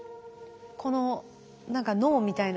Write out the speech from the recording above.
この何か脳みたいな。